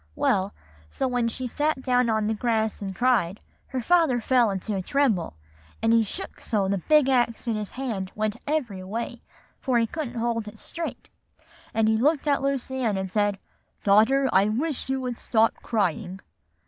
Well, so when she sat down on the grass and cried, her father fell into a tremble, and he shook so the big axe in his hand went every way, for he couldn't hold it straight; and he looked at Lucy Ann, and he said, 'Daughter, I wish you would stop crying.